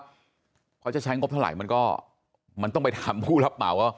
เพราะจะใช้งบเท่าไหร่มันก็มันต้องไปถามผู้รับเหมาว่า